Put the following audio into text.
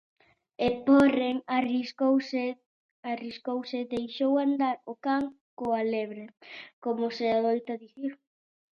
E, porén, arriscouse, deixou andar o can coa lebre, como se adoita dicir.